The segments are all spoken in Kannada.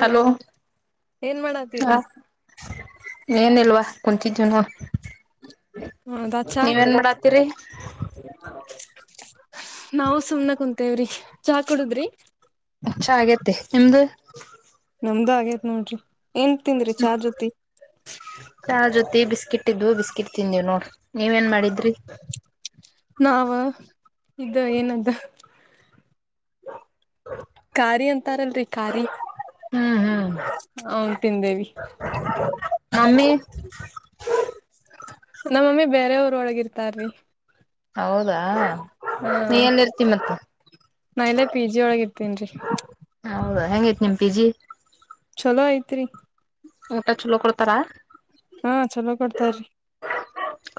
ಹಲೋ [unintelligible] ಏನ್ ಮಾಡಾತೀರಿ ಕುಂತಿದೀವಿ ನೋಡ ಹೌದಾ ಚಾ ನೀವೇನ್ ಮಾಡತ್ತೀರಿ ನಾವು ಸುಮ್ನೆ ಕುಂತೇವ್ರಿ ಚಾ ಕುಡುದ್ರಿ ಹಂದು. ನಮ್ದ್ ಆಗೇತ್ ನೋಡ್ರಿ ಏನ್ ತಿಂದ್ರಿ ಹ್ಮ ಚಾ ಜೊತಿ ಚಾ ಜೊತೆ ಬಿಸ್ಕಿಟ್ ಇದ ಇದ್ವು ಬಿಸ್ಕಿಟ್ ತಿಂದೇವು್ ನೋಡ ನೀವ ನ್ ಮಾಡಿದ್ರಿ ಇದು ಏನದ ಖಾರಿ ಅಂತಾರಲ್ರಿ ಖಾರಿ ಹ್ಮ್ ಹ್ಮ್ ಅವನ್ ತಿಂದೇವಿ ಮಮ್ಮಿ ನಮ್ಮಮ್ಮಿ ಬೇರೆಯವರು ೊಳಗಿರ್ತಾರೀ ಹೌದಾ ನೀ ಎನ್ ಇರ್ತಿೀ ಮತ್ತ ನಾ ಇಲ್ಲೇ ಪಿ ಜಿ ಒಳಗ ಇರ್ತೇನ್ರಿ ಹೌದಾ ಹೆಂಗೈತ್ ನಿಮಪಿಜಿ ಎಲ ಐತ್ರಿ ಊಟ ಚಲೋ ಕೊಡ್ತಾರಾ ಹಾ ಚಲೋ ಕೊಡ್ತ್ರಿ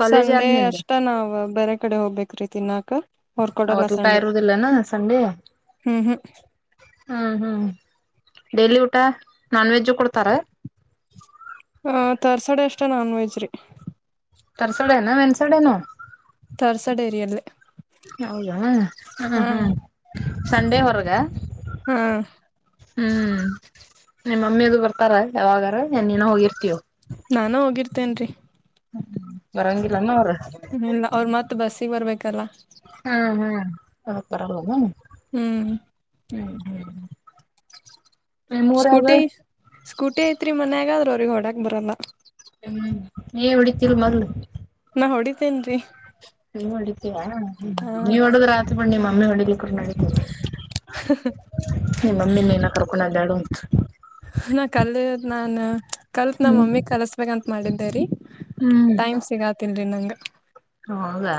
ಕಾಲೇಜ್ ಆದ್ ಸಂಡೆ ನಿಂದ ಅಷ್ಟ ನಾವ್ ಬೇರೆ ಕಡೆ ಹೋಗ್ಬೇಕ ಅತ್ರೈತಿ ನಲ್ಕು ಅವತ್ ಊಟ ಇರುದಿಲ್ಲನಾ ಸಂಡೇ ಹ್ಮ್ ಹ್ಮ್ ಹ್ಮ್ ಹ್ಮ್ ಡೈಲಿ ಊಟ ನಾನ್ ವೆಜು ಕೊಡ್ತಾರೆ ತರ್ಸಡಿ ಅಷ್ಟೇ ನಾನ್ ವೆಜ್ ರೀ ತರ್ಸಡನ ಇನ್ಸಡೆನು ತರ್ಸಡೇರಿಯಲ್ಲೇ ಹೌದಾ ಹ್ಮ ಹಾ ಹ್ಮ್ ಸಂಡೆ ಹೊರ್ಗ ಹಾ ಹ್ಮ್ ನಿಮ್ಮ ಮಮ್ಮಿದು ಬರ್ತಾರ ಯಾವಾಗಾರ ಇನ್ ನೀನೋ ಹೋಗಿರ್ತೀಯೋ ನಾನು ಹೋಗಿರ್ತೇನ್ ರಿ ಹ ಬರಂಗಿಲ್ಲಾನ ಅವರು ಬರ್ಬೇಕಲ್ಲಾ ಹ್ಮ ಹ್ಮ್ [unintelligible] ಅದುರಬದ ಹ್ಮ್ ಹ್ಮ್ ಹ್ಮ ಮೂೂರಗ ಸ್ಕೂಟಿ ಸ್ಕೂಟಿ ಐತ್ರಿ ಮನ್ಯಾಗಾದ್ರೆ ಅವ್ರಿಗೆ ಹೊಡಕ್ ಬರಲ್ಲ. ಹ್ಮ್ ಏ ಉಡತಿಲ್ ಮರ್ಲು. ನಾ ಹೊಡಿತೇನ್ರಿ ಹ ಮಾಡಿದ್ದೇ [unintelligible] ಹ ನೀವ್ಡದ್ ರಾತ್ ಬಣ್ಣಿ ಮ [unintelligible] ನಮ್ಮ ಅಡಡಿಲಿ ಕೂಡ ನಡಿದ್ದೀವಿ [unintelligible] ನಿ ಮಮ್ಮಿಿನ ಏನ ಕರ್ಕೊಂಡ ಬ್ಯಾಳು ಹ [inaudible] ನ ಕಲ್ಲದ ನಾನಾನು ಕಲ್ತ್ ನಮ್ ಹ್ಮ್ ಮಮ್ಮಿಗ್ ಕಲ್ಸ್ಬೇಕಂತ್ ಮಳದರಿ ಹ್ಮ್ ಟೈಮ್ ಸಿಗಾತಿಲ್ರಿ ನಂಗ [inaudible] ಹೌದಾ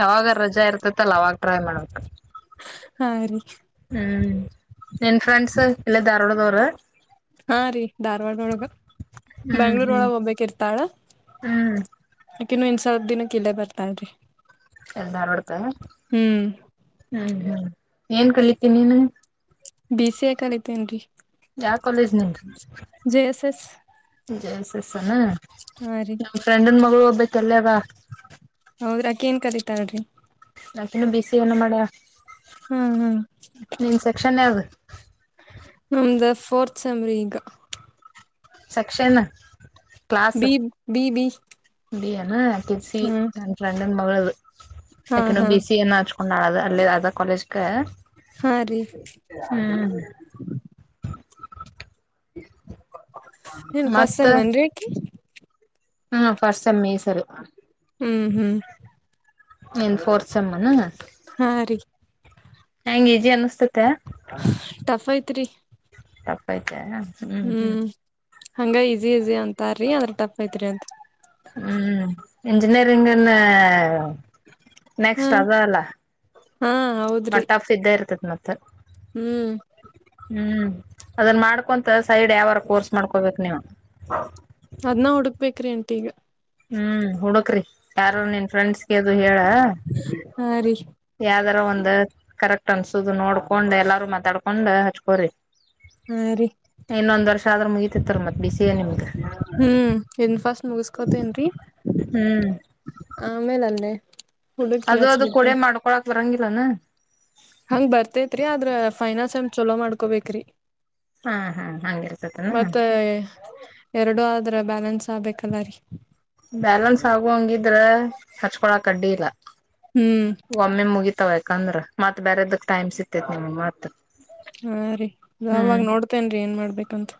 ಯಾವಾಗ ರಜಾ ಇರ್ತತ್ತಲ್ಲ ಅವಾಗ ಟ್ರೈ ಮಾಡ್ಬೇಕ. ಹಾ ರೀ. ಹ್ಮ್ ನಿನ್ ಫ್ರಂಡ್ಸ್ ಇಲ್ಲ ಧಾರವಾಡ ದೋರ. ಹಾ ರೀ ಧಾರವಾಡ ಒಳಗ ಹ್ಮ್ ಬ್ಯಾಂಗ್ಳೂರ್ ಹ್ಮ್ ಒಳಗ ಹೋಗ್ಬೇಕ ಇರ್ತಾಳ. ಹ್ಮ್ ಇನ್ನು ಇನ್ ಸ್ವಲ್ಪ ದಿನಕ್ಕ ಇಲ್ಲೇ ಬರ್ತಾಳ್ ರಿ. ಎಲ್ಲರಡ್ಕ್ಕ ಹ್ಮ್ ಹ್ಮ್. ಏನ್ ಕಲಿತೀನಿನು. ಬ ಸಿ ಏ ಕಲಿತೇನ್ರಿ. ಯಾವ ಕಾಲೇಜ್ ನಿ ಜೆ ಎಸ್ ಎಸ್ ಜಸ್. ನಮ್ಮ್ ಫ್ರೆಂಡ್ನ್ ಮಗಳು ಹೋಗಬೇಕು. ತಲ್ಲವಾ. ಹೌದ್ರ ಅಕಿನ್ ಕರಿ. [unintelligible] ಹತರ ರ. [unintelligible] ನಾಕನ್ನು ಬಿಸಿ ಏನ ಮಾಡ್ಯ. ಹ್ಮ್ ಹ್ಮ್ ಯಾವ್ದು ನಮ್ದ ಫ್. ಫೋರ್ತ್ ಸೇಮ್ರಿಗ. ಸೆಕ್ಷನ್ನ. B B B. ಬಿ ಏನಾ. ಕಿಪ್ಸಿ ಹಾ ಕಂಟ್ರಡ್. ಮಗ್ಳುದ್. ಹಾ ಸೆಕೆಂಡರ್ ಹಾ ಬಿ ಸಿ ಏನ್ನ ಹಚ್ಕೊಂಡಾಳದ. ಳೆ ಯಾದ ಕಾಲೇಜ್ಗ. ಹಾ ರೀ. [inaudible] ಏನ್ ಮತ್ತ ಫಾಸ್ಸೆಮ್ನೆನ್ರಿ ಆಕಿ. ಹ್ಮ ಫಸ್ಟ್ ಸೆಮ್ ಈಸರು. ಹ್ಮ್ ಹ್ಮ್. ನೀನ್ ಫೋರ್ಸೆಮ್ಮೇನಾ. ಹಾ ರೀ. ಹಂಗೀಜಿ ಅನ್ನಿಸ್ತ. ಟಫ್ ಐತ್. ತ್ರಿ ಟಫ್ಫಾಯ್ತಾ. ಹ್ಮ್ ಹಂಗ ಈಸಿ ಈಸಿ ಅಂತಾರ್ರೀ ಆದ್ರ ಟಫ್ ಐತ್ರಿ ಅಂತ. ಇಂಜಿನಿಯರಿಂಗ್ ನ್ನಾ. ಹಾ ನೆಕ್ಸ್ಟ್ ಅದಾ ಅಲ್ಲ. ಹಾ ಹೌದ್ರಿ ಮಟ್ಟಫ್ ಇದ್ದೇ ಇರ್ತತ್ ಮತ್ ತ್ ಹ್ಮ್ ಹ್ಮ್ ಅದನ್ ಮಾಡ್ಕೊಂತ ಸ್ ಸೈಡ್ ಯಾವಾರ ಕೋರ್ಸ್ ಮಾಡ್ಕೋಬೇಕು ನೀವು ಅದ್ನ ಹುಡುಕ್ಬೇಕ್ರಿ ಅಂಟಿ ಈಗ ಹ್ಮ್ ಹುಡುಕ್ರಿ ಯಾರು ನಿನ್ ಫ್ರೆಂಡ್ಸ್ ಇದು ಹೇಳ ಹಾ ರೀ ಯಾರ್ ರ ಒಂದ ಕರೆಕ್ಟ್ ಅನ್ಸುದು ನೋಡ್ಕೊಂಡ್ ಎಲ್ಲಾರೂ ಮಾತಾಡ್ಕೊಂಡ ಹಚ್ಕೋರಿ. ಹಾ ರೀ [unintelligible] ಆದ್ರ ಮುಗಿತಿತ್ತರ ಮತ್ ಬಿಸಿ ಏನಿ ಹ್ಮ್ ಇನ್ ಫಸ್ ಮುಗುಸ್ಕೊತೀನ್ರಿ ಹ್ಮ್ ಆಮೇಲಲ್ಲೇ ಅದು ಅದು ಕೊಡೆ ಮಾಡ್ಕೊಳಕ್ ಬರಂಗಿಲ್ಲಾನ ಹಂಗ್ ಬರ್ತೆೇತ್ರಿ ಆದ್ರ ಫೈನಾನ್ಸ್ ಚಲೋ ಮಾಡ್ಕೊಬೇಕ್ರೀ. ಹಾ ಹಾ ಹಂಗಿರ್ತತನ ಮತ್ತೆ ಎರಡು ಆದ್ರೆ ಬ್ಯಾಲೆನ್ಸ್ ಹಾ ಬೇಕಲ್ಲ ರೀ ಬ್ಯಾಲೆನ್ಸ್ ಆಗೋಹಂಗಿದ್ರೆ ಹಚ್ಕೊಳಕ್ ಅಡ್ಡಿ ಇಲ್ಲ. ಹ್ಮ್ ಒಮ್ಮೆ ಮುಗಿತಾವೇ. ಅಂದ್ರ ಮತ್ ಬೇರೆದಕ್ ಟೈಮ್ ಸಿಗ್ತೇತ್ ನಿಮ್ಗ್ ಮಾತ್ ಆ ರೀ ನಾವಾಗ್ ನೋಡ್ತೇನ್ರರಿ ಏನ್ ಮಾಡ್ಬೇಕ್ ಬೇಕಂತ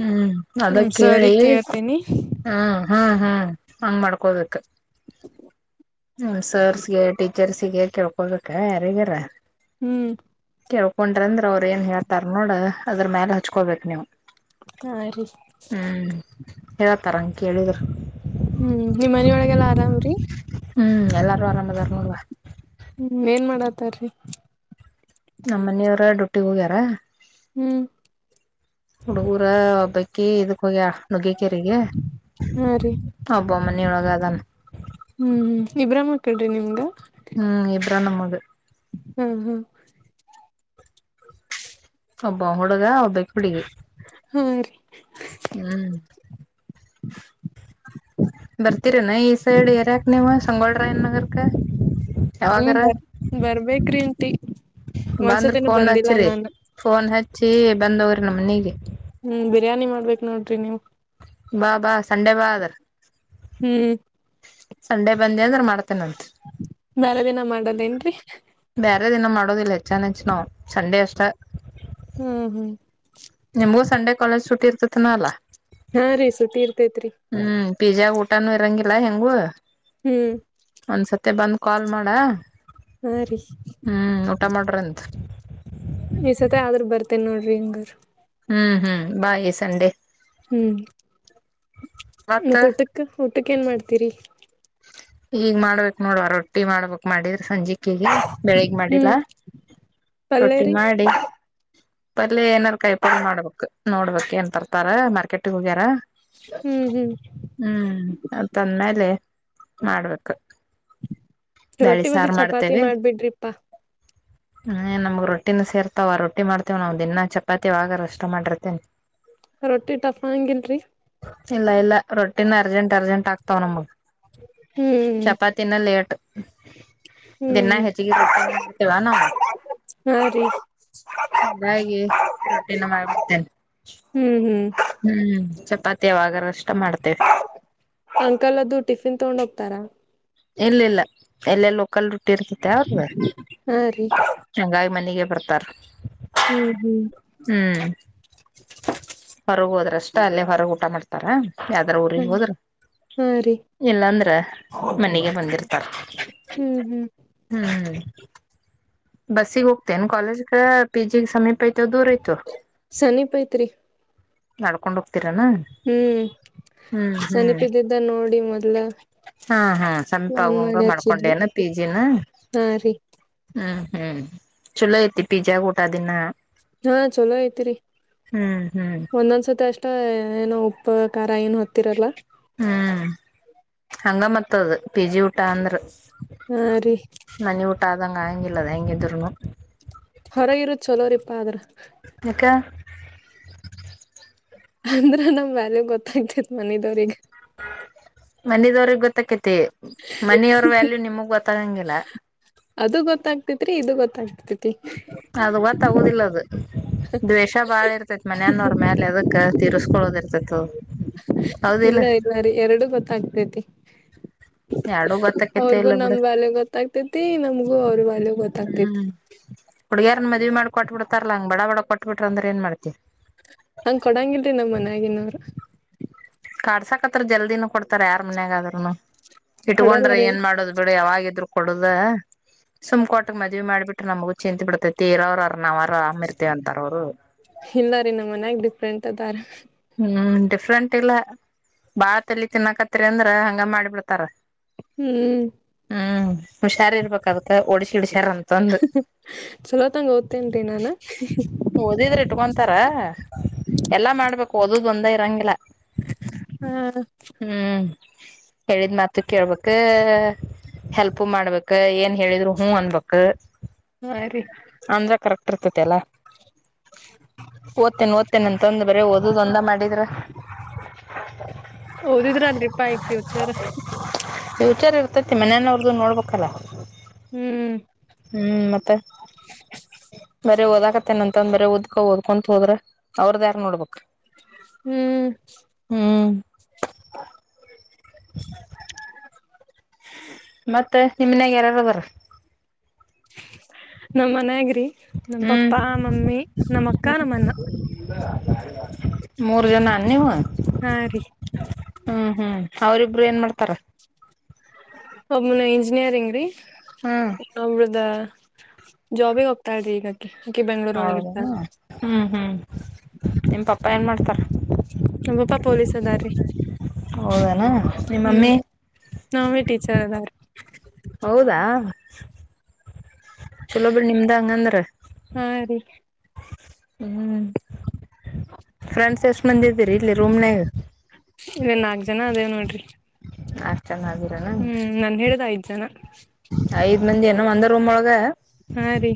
ಹ್ಮ್ ಅದ ಕೇಳಿ ಕೇಳ್ತೇನಿ ಹ್ಮ್ ಹ್ಮ್ ಹ್ಮ್ ಹಂಗ್ ಮಾಡ್ಕೋಬೆಕ್ ಹ್ಮ ಸರ್ ಸ್ ಗೇ ಟೀಚರ್ಸ್ಗೆ ಕೇಳ್ಕೊಬೇಕ ಯಾರಿಗ್ಯಾರ ಹ್ಮ್ ಕೇಳ್ಕೊಂಡ್ರ ಅಂದ ಅವ್ರ ಏನ್ ಹೇಳ್ತಾರ ನೋಡದಾ ಅದ್ರ ಮ್ಯಾಲ್ ಹಚ್ಕೊಬೇಕು ನೀವು ಹಾ ರೀ ಹ್ಮ್ ಯ ತರಂಗ್ ಕೇಳಿದ್ರ ಹ್ಮ್ ನಿಮ್ ಮನೆಯೋಲಗಿಲ್ಲ ಆರಾಮ್ ರಿ ಹ್ಮ್ ಎಲ್ಲರ್ ಎಲರು ಆರಾಮಾಗಿದರ್ ನೋಡುವ ತರೀ ನಮ್ಮನೆಯವರ ಡ್ಯೂಟಿಗ್ ಹೋಗ್ಯಾರ ಹ್ಮ್ ಹುಡುಗುರ ಹಬ್ಬಕ್ಕಿ ಇದು ಹೋಗ್ಯ ನುಗ್ಗಿಕೇರಿಗೆ ಹಾ ರೀ [inaudible] ಒಬ್ಬಮ್ಮನೆಯೊಗ ಅದಾನ ಕರಡಿ ನಿಮ್ದಾ ತ ನಮ್ಮದು ಹ್ಮ ಹ್ಮ್ ಒಬ್ಬ ಹುಡುಗ ಒಬ್ ಹಾ ರೀ [inaudible] ಹ್ಮ್ ಬರ್ತ ತಿರನ್ ಈ ಸೈಡ್ ಎರಾಕ್ ನೀವಾನ್ ಸಂಗೋಳ ರಾಯ ನಗರ್ ಕ ಹ್ಮ್ ಬರ್ ಬರ್ಬೇಕ್ರೀಂತಿ ಬಂದ್ರ ಮಂಸತನೂ ಫೋನ್ ಬಂದಿಲ್ಲ ನಾನ್ ಬಂದವ್ರ ನಮ್ಮ ಮನೆಗೆ ಹ್ಮ್ ಬಿರಿಯಾನಿ ಮಾಡ್ಬೇಕ್ ನೋಡ್ರಿ ನೀವ್ ಬಾ ಬಾ ಸಂಡೆ ಬಾ ಅದ್ರ ಹ್ಮ್ ಸಂಡೆ ಬಂದಿ ಅಂದ್ರೆ ಮಾಡ್ತೇನೆಂತೆ ಮರ ದಿನ ಮಾಡದೇಏನ್ರಿ ಯ್ಯಾರ ದಿನ ಮಾಡೋದಿಲ್ಲ ಚೆ ಹೆಚ್ ನಾವು ಸಂಡೆ ಅಷ್ಟ ಹ್ಮ್ ಹ್ಮ್ ನಿಮ್ಗೂ ಸಂಡೆ ಕಾಲೇಜ್ ಶುಟ್ಟಿ ಇರ್ತತನ ಅಲ್ಲಾ ಹಾ ರೀ ಸುತಿ ಇರ್ತೇತ್ರಿ [inaudible] ನೂ ಇರಂಗಿಲ್ಲ ಹೆಂಗು ಹ್ಮ್ ಮತ್ತೆ ಬಂದು ಕಾಲ್ ಮಾಡ ಹಾ ರೀ ಹ್ಮ್ ಊಟ ಮಾಡ್ರಂತ ತಿನ್ನೋಡಿರಿಂಗರ್ ಹ್ಮ್ ಹ್ಮ್ ಬಾಯ್ ಸಂಡೇ ಹ್ಮ್ ಮತ್ತ ಮೋಟಕ್ಕೆ ಹ ಅತ್ತಕ್ಕ ಏನ್ ಮಾಡ್ತೀರಿ ಹ ಈಗ್ ಮಾಡ್ಬೇಕ್ ನೋಡುವ ರೊಟ್ಟಿ ಮಾಡ್ಬೇಕಕ್ ಮಾಡಿದ್ರ ಸಂಜಿಕೆಗೆ ಬೆಳಿಗ್ ಮಾಡಿಲ್ಲ ಹ್ಮ್ ಪಲ್ಯ ರೊಟ್ಟಿ ರೀ ಮಾಡಿ ಪಲ್ ಏನಾರ ಕೈಪಲ್ ಮಾಡ್ಬೇಕಕ್ ನೋಡ್ಬೇಕಕ್ ಏನ್ ತರ್ತಾರ ಮಾರ್ಕೆಟ್ಗ ಹೋಗ್ಯಾರ. ಹ್ಮ್ ಹ್ಮ್ ಹ್ಮ್ ತಂದ. ಪ್ಲೇ. ಮಾಡ್ಬೇಕು. ಬ್ಯಾಳಿ ರೊಟ್ಟಿ ಮದಿ ಸಾರು ಚಪಾತಿ ಮಾಡ್ಬಿಡ್ರಿಪ್ಪಾ. ಹ ನಮ್ಗ್ ರೊಟ್ಟಿನ ಸೇರ್ತಾವ ರೊಟ್ಟಿ ಮಾಡ್ತೇವ್ ನಾವವು ದಿನಾ ಚಪಾತಿ ಆಾಗರ ಅಷ್ಟ ಮಾಡಿರ್ತೇನ್. ರೊಟ್ಟಿ ಟಫ್ಗಿಲ್ರಿ. ಇಲ್ಲ ಇಲ್ಲ ರೊಟ್ಟಿನ ಅರ್ಜೆಂಟ್ ಅರ್ಜೆಂಟ್ ಆಗ್ತವ ನಮಗ್. ಹ್ಮ್ ಚಪಾತಿನ ಲೇಟ್. ಹ್ಮ್ ದಿನಾ ಹೆಚ್ಚಿಗೆ ರೊಟ್ಟಿಯ ಮಾಡಡ್ತೇವ ನಾವು ಹಾ ರೀ ಚಾಗಿ ರೊಟ್ಟಿನ ಮಾಡ್ಬಿಡ್ತೇನೆ ಹ್ಮ್ ಹ್ಮ್ ಹ್ಮ್. ಪತ್ಯವಾಗ ನ ಅಷ್ಟೆ. ಅಂಕಲ್ ಅದು ಟಿಫ. ತಿನ್ ತಗೊಂಡ್ ಹೋಗ್ತಾರಾ. ಇಲ್ಲ ಇಲ್ಲ ಎಲ್ಲ ಲೋಕಲ್ಟ್ಟ. ಬಿಟ್ಟಿರ್ತತೆ ಅವದೇ ಹಾ ರೀ ಸಂಂಗಾಯ ಮನೆಗೆ. ಬರ್ತಾರೆ. ಹ್ಮ್ ಹ್ಮ್. ಹೊರಗೆ ಹೋದ್ರಷ್ಟ ಅಲ್ಲೇ ಹೊರಗೆ ಊಟ ಮಾಡ್ತಾರ. ಯಾವ್ದಾರ ಊರಿಗೆರಿಗೆ ಹ್ಮ್ ಹೋದ್ರ ಹಾ ರೀ ಇಲ್ಲಾ ಅಂದ್ರ. ಮನೆಗೆ ಬಂದಿರ್ತಾರ. ಹ್ಮ್ ಹ್ಮ್ ಬಸ್ಸಗ್ ಹೋಗ್ತೇನ್ ಕಾಲೇಜ್ಗ ಪಿ ಜಿ ಸಮೀಪ ಆಯತು ದೂರ ಆಯ್ತು ಸನಿ ಪೈತ್ರಿ. ನಡ್ಕೊಂಡು ಹೋಗ್. ರ ಹ್ಮ್ ಹ್ಮ್ ಸಮೀಪ ಇದ್ದಿದ್ದ ನೋಡಿ ಮೊದ್ಲ ಹಾ ಹ್ಮ ಸಮೀಪ ಪ್ಲಾನ್ ಆಂಗ ಮಾಡಿ ಹಚ್ಚಿದ್ವಿ ಮಾಡ್ಕೊಂಡೆನ ಪಿ ಜಿನ ಹಾ ರೀ ಹ್ಮ್. ಹ್ಮ್ ಚಲೋ ಐತಿ ಪಿಜ್ಜಾ ಕೂಟ ದಿನ. ಹಾ ಚಲೋ ಐತಿರಿ ಹ್ಮ್ ಹ್ಮ್ ಒಂದೊಂದ್ಸತಿ. ಅಷ್ಟ ಏನೋ ಉಪ್ಪ. ಏನು ಹತ್ತಿರಲ್ಲ ಹ್ಮ್ ಹಂಗ ಮತ್ತದ ಪಿ ಜಿ ಊಟ ಅಂದ್ರ ಹಾ ರೀ ಂ ಆಂಗಿಲ್ಲ ಹಂಗಗೆ ತರನು ಹೊರಗ ಇರುದ ಚಲೋರಿಪ್ಪ ಆದ್ರ ಮಕ್ಕೆ [unintelligible] ಅಂದ್ರ ನಮ್ ವ್ಯಾಲ್ಯ ಗೊತ್ತಾಯ್ತತ್ ಮನದವ್ರಗ ಮನದವ್ರಗ್ ಗೊತ್ತಕೇತಿ ಮನಿಯವ್ರ ವ್ಯಾಲ್ಯೂ ನಿಮಗ್ ಗೊತ್ತಾಗಂಗಿಲ್ಲ ಅದು ಗೊತ್ತಾಗ್ತತ್ರಿ ಇದು ಗೊತ್ತಾಗ್ತಿ ಅದು ಗತ್ತ ಆಗುದಿಲ್ಲ ಅದು ದ್ವೇಷ ಬಾಳ ಇರ್ತೇತ್ ಮನಯನ್ನ ಅವ್ರ ಮೇಲೆ ಅದಕ್ಕ ತೀರ್ಸ್ಕೊೊಳ್ಳೋದಿ ಇರ್ತೈತ್ ಅ ಇಲ್ಲ ಹೌದಿಲ್ಲ ಇಲ್ಲ ಎರಡೂ ಗೊತ್ತಕೈತೆ ಅವ್ರಗೂ ಇಲ್ಲ ನಮ್ ಬಿಡು ಬಾಲ್ಯ ಗೊತ್ತಾಗ್ತೇತಿ ನಮ್ಗೂ ಅವ್ರ ಬಾಲ್ಯ ಗೊತ್ತ. ಹ್ಮ್. ಹುಡ್ಗ್ಯಾರನ ಮದ್ವಿ ಮಾಡಿ ಕೊಟ್ಟಟ್ಬ ಬಿಡ್ತಾರಲ್ಲಾ ಹಂಗ ಬಡ ಬಡ ಕೊಟ್ಬಿಟ್ರ ಅಂದ್ರೆ ಏನ್ ಮಾಡ್ತವಿ. ಹಂಗ್ ಕೊಡಂಗರ್್ದ ನಮ್ಮ ಮನ್ಯಗ ನೋರು. ಕಡ್ಸಾಕ್ತ್ರ ಜಲ್ದಿನ ಕೊಡ್ತಾರ ಯಾರ್ ಮನ್ಯಾಗಾದ್ರರುನು. ಇಟ್ಕೊಂಡ್ರೆ ಕೊಡಲ್ಲರಿ ಏನ್ ಮಾಡೋದು ಬಿಡ ಯಾವಾಗಿದ್ರು. ಕೊಡದ ಸುಮ್ಕೋಟಕ್ ಮದ್ವಿ ಮಾಡಿಬಿಟ್ರ ನಮಗು ಚಿಂತೆತ್ ಬಿಡ್ತೇ ತೀರ ಅವ್ರರ್ ನಾವ್ರ ಆಾಮ್ ಇರ್ತೇವ ಅಂತಾರ ಅವ್ರು. ಇಲ್ಲಾರಿೀ ನಮ್ಮ ಮನ್ಯಾಗ ಡಿಫ್ರೆಂಟ್. ತದಾರ. ಹ್ಮ್ ಡಿಫ್ರೆಂಟ್ ಇಲ್ಲ ಬಾಳತಲ್ಲಿ ತಿನ್ನಕತ್ತರಿ ಅಂದ್ರ ಹಂಗ ಮಾಡಿ ಬಿಿಡ್ತಾರ ಹ್ಮ್ ಹ್ಮ್ ಹುಷಾರಿ ಇರ್ಬೇಕಾಗತ್ತೆ ಒಡಸಿಡ. ಚಲ ತಂಗ ತ್ತೇನ್ಟ ನಾನ ತಾರ. ಎಲ್ಲಾ ಮಾಡ್ಬೇಕ. ಓದದುೊಂದ ಇರಂಗಿಲ್ಲ. ಹ್ಮ. ಹೇಳಿದ ಮಾತು ಕೇಳ್ಬೇಕ ಹೆಲ್ಪ್ ಮಾಡ್ಬೇಕ ಏನ್ ಹೇಳಿದ್ರು ಹೂ ಅನ್ಬೇಕು. ಹಾ ರೀ. ವರ್ತತೆಲ್ಲ ಓದ್ತೇನೆ ಓದ್ತೇನೆ ಅಂತಂದ ಬರ ಓದ್ ದು ತರಗೆ ಪಾಯ ್ಯುಚರ್ ಫ್ಯೂಚರ್ ಇರ್ತೈತಿ ಮನೆಯನ ಅವ್ರದ್ದು ನೋಡ್ಬೇಕಲ್ಲ ಹ್ಮ್ ಹ್ಮ್ ಮತ್ತೆ ಬ ಓದ್ಕತ್ತೇನ ಅಂತಂದ ಬೇ ಓದ್ಕ ಓದ್ಕೊಂತ ಹೋದ್ರ ಅವದ್ದ ಯಾರು ನೋಡ್ಬೇಕಕ್ ಹ್ಮ್ ಮತ್ತೆ ನಿಮನ್ಯಾಗ ಯಾರಾರ ಬರ ನಮ ಮನ ಆಗ ನಮ್ಮ ಹ್ಮ್ ಪಪ್ಪಾ ಮಮ್ಮಿ ನಮ್ಮ ಅಕ್ಕ ನಮ್ಮ ಅಣ್ಣ. ನೀವ. ಹಾ ರೀ ಹ್ಮ್ ಹ್ಮ್ ಅವರಿಬ್ರು ಏನ್ ಮಾಡತಾರ. ಒಬ್ನ ಇಂಜಿನಿಯರಿಂಗ್ ರೀ. ಹ್ಮ್ ಒಬ್ರದ. ಜಾಬಿಗೆ ಹೋಗ್ತಾಳ ರಿ ಈಗ ಅಕಿ. ಅಕಿ ಬೆಂಗ್ಳೂರ್ ಒಳಗ ಇರ್ತಾಳ ಹೌದನ ಹ್ಮ್ ಹ್ಮ್ ನಿಮ್ಮ ಪಪ್ಪ. ಪ ಏನ್ ಮಾಡ್ತಾರ. ನಮ್ಮ ಪಪ್ಪಾ ಪೊಲೀಸ್ ಅದಾರೀ. ಹೌದನ. ನಿಮ್ಮ ಮಮ್ಮಿ. ನಮ್ಮ ಮಮ್ಮಿ ಟೀಚರ್ ಅದಾರಿ. ಹೌದಾ. ಚಲೋ ಬಿಡ ನಿಮ್ದ ಹಂಗಂದ್ರ. ಹಾ ರೀ ಹ್ಮ್ ಫ್ರೆಂಡ್ಸ್ ಎಷ್ಟ ಮಂದ ಇದಿದ್ದೀರಿ ಇಲ್ಲಿ ರೂಮ್ನ್ಯಾಗ. ಇಲ್ಲಿ ನಾಲ್ಕ್ ಜನ ಅದೇವ ನೋಡ್ರಿ. ಹ. ಹ್ಮ್ ನನ್ನ ಹಿಡದ ಐದ್ ಜನ. ಐದ. ಮಂದಿ ಏನು ಒಂದ ರೂಮ ಒಳಗ. ಹಾ ರೀ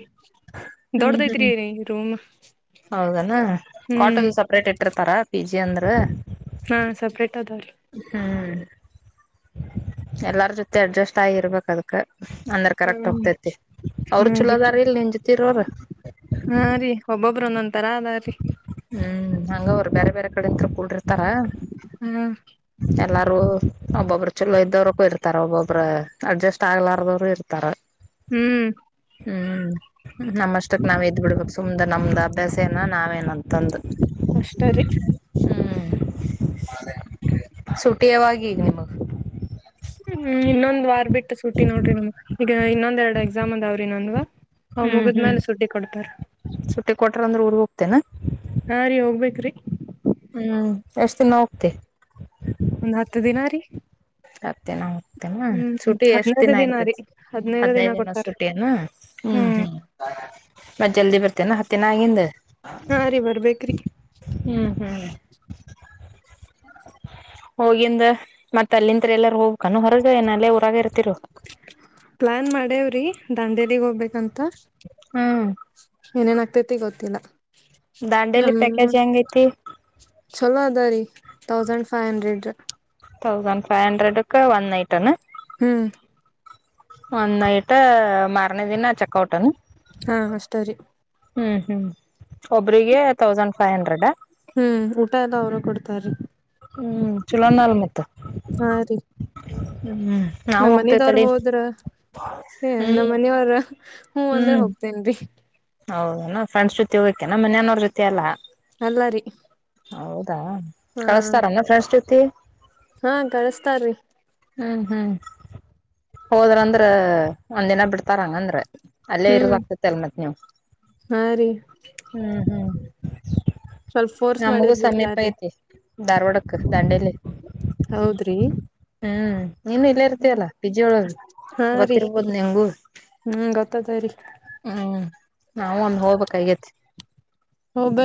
ಹ್ಮ್ ಹ್ಮ್ ದೊಡದೈತ್ರಿ ರೂಮ್. ಹೌದನ ಕಾಟ್ ಹ್ಮ್ ಅದು ಸಪ್ರೇಟ್ ಇಟ್ಟಿರ್ತಾರ. ಪಿ ಜಿ ಅಂದ್ರ ಹಾ ಸಪ್ರೇಟ್ ಅದಾವ್ರೀ. ಹ್ಮ್ ಎಲ್ಲಾರ ಜೊತೆ ಅಡ್ಜಸ್ಟ್ ಆಗಿರ್ಬೇಕ ಅದ್ಕ್. ಅಂದ್ರ ಕರೆಕ್ಟ್ ಹೋಗತೇತಿ ಹ್ಮ್ ಅವ್ರ ಹಾ ರೀ ಚಲೋದಾರ ಇಲ್ ನಿನ್ ಜೊತಿರ ಈರ್ವರ. ಬ್ರೋ ಒಂದೊಂದ. ತರ ಅದ್ರರಿ. ಹಂಗ ಅವರ ಬ್ಯಾರೆ ಬ್ಯಾರೆ ಕಡೆಯಿಂತ್ರ. ಕೂಡಿರರ್ತಾರ. ಹಾ ಎಲ್ಲಾರೂ ಒಬ್ಬೊಬ್ರು ಚಲೋ ಇದ್ದವ್ರಕೂ ಕುಡಿರತರ ಒಬ್ಬೊಬ್ಬ್ರ ಅಡ್ಜಸ್ಟ್ ಆಗ್ಲಾರದವರು ಇರ್ತಾರ. ಹ್ಮ್ ಹ್ಮ್ ನಮ್ಮಷ್ಟಕ್ ನಾವ್ ಇದದ್ ಬಿಡ್ಬೇಕ ಸುಮ್ದ ನಮ್ದ ಅಭ್ಯಾಸ ಏನ ನಾವೇನಂತಂದ ಅಷ್ಟರಿ ಹ್ಮ್. ಸೂಟಿ ಯಾವಾಗ ಈಗ ನಿಮಗ್? ಹ್ಮ ಇನ್ನೊಂದ್ ವಾರ್ ಬಿಟ್ಟು ಸುಟ್ಟಿ ನೋಡ್ರಿ ನಮ ಈಗ ಇನ್ನೊಂದ ಎರಡು ಎಕ್ಸಾಮ್ ಅದಾವ್ರಿ ನನ್ಗ ಹ್ ಹ್ಮ್ ಹ್ಮ್ ಮುಗುದ್ಮೇಲೆ ಸುಟ್ಟಿ ಕೊಡ್ತಾರೆ ಕೊಡ್ತಾರ ಸುಟ್ಟಿ ಕೊಟ್ರ ಅಂದ್ರೆ ಊರಿಗೆ ಹೋಗತೇನೆ ಹಾ ರೀ ಹೋಗ್ಬೇಕ್ರಿ ಹ್ಮ್ ಎಷ್ಟ ದಿನ ಹೋಗ್ತಿ ಒಂದ್ ಹತ್ತು ದಿನ ರೀ ಆಗ್ತೇ ನ ಆಗ್ತೇನಾ ಹ್ಮ್ ಸೂಟಿ ಎಷ್ಟ್ ಹದ್ನೈದು ದಿನ ರೀ ಇರ್ತತಿ ಹದ್ನೈದು ದಿನ ಕೊಡ್ತಾರ ಸುಟಿ ಅನಾ ಹ್ಮ್ ಹ್ಮ್ ಮತ್ ಜಲ್ದಿ ಬರ್ತ ಹತ್ತನ ಹತ್ತನ ಆಗಿಂದ ಹಾ ರೀ ಬರ್ಬೇಕ್ರಿ ಹ್ಮ್ ಹ್ಮ್ ಹೋಗಿಂದ ಮತ್ತ ತಲ್ಲಿಂ ಎಲ್ಲರ ಹೋಗ್ಬೇಕು ಹೊರಗ ಏನ ಊರಾಗ ಇರ್ತಿರು [inaudible] ಪ್ಲಾನ್ ಮಾಡೇವ್ರಿ ದಂಡೇಲಿಗ್ ಹೋಗ್ಬೇಕಂತ ಹ್ಮ್ ಏನನ ತಿ ಗೊತ್ತಿಲ್ಲ ದಾಂಡೇಲಿ ನಮ್ಮ ಪ್ಯಾಕೇಜ್ ಹೆಂಗ ಐತಿ ಚಲೋ ಅದ ರೀ thousand five hundred thousand five hundred one night ಆಣ ಹ್ಮ್ ಒಂದ್ ನೈಟ್ ಮಾರನೇ ದಿನ ಚೆಕ್ ಔಟ್ ಹಾ ಅ ಸತರಿ ಹ್ಮ್ ಹ್ಮ್ ಒಬ್ರಿಗೆ ತೌಸಂಡ್ ಫೈವ್ ಹಂಡ್ರೆಡ್ ತ್ತರಿ ಹ್ಮ್ ಚಲಣ ಅಲ್ ಮತ್ತ [inaudible] ನಾವ್ ನಮ್ಮ್ ಹೋಗ್ತೇವ ಮನದವ್ರ ತಡಿ ಹೋದ್ರ ಏ ಹ್ಮ್ ನಮ್ಮ ಮನವ್ರ ಹ್ಮೂ ಅಂದ್ರ ಹೋಗತೇನ್ರಿ [inaudible] ಹೌದನಾ ಫ್ರೆಂಡ್ಸ್ ಜೊತೆ ಹೋಗಕನಾ ಮನಯನೋ್ರ ಜೊತೆಲ್ಲ ಅಲ್ಲಾರಿ ಹೌ ಕಳಿಸಸ್ತಾರನ ಫ್ರೆಂಡಸ್ ಜೊತಿ ಹಾ ಕಳಸ್ತಾರ್ರಿ ಹ್ಮ್ ಹ್ಮ್ ಹೋದ್ರಂದ್ರ ಒಂದಿನ ಬಿಡ್ತಾರಂಗಂದ್ರ ಅಲ್ಲೇ ಹ್ಮ್ ಇರುವ ಆಗ್ತತ್ತ ಅಲ್ ಮತ್ ನೀವು ಹಾ ರೀ ಹ್ಮ್ ಹ್ಮ್ ಸ್ವಲ್ಪ ಫೋರ್ಸ್ ನಮಗ ಮಾಡಿದ್ರ ಸಮೀಪ ಬಿಡ್ತಾರ್ರಿ ಐತಿ ಧಾರ್ವಾಡಕ್ಕೆ ದಂಡೇಲಿ ಹೌದ್ರಿ ಹ್ಮ್ ನೀನು ಇಲ್ಲೇ ಇರ್ತಯಲ್ಲ ಬಿಜಿಯೊಳಗೆ ಹಾ ರೀ ಗೊತ್ತಿರ್ಬೋದು ನಿಂಗು ಹ್ಮ್ ಗೊತ್ತದರಿ ಹ್ಮ್ ನಾವವು ಒಂದು ಹೋಗ್ಕ್ಗತಿ ಹೋಗ ಬರಿ